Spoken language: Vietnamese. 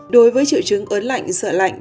đối với triệu chứng ớn lạnh sợ lạnh